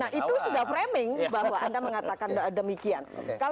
nah itu sudah framing bahwa anda mengatakan demikian